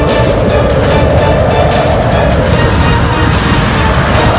semoga allah selalu melindungi kita